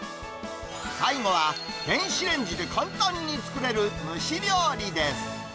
最後は、電子レンジで簡単に作れる蒸し料理です。